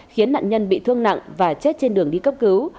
khiến nạn nhân bị thương nặng và chết trên đường đi cấp cứu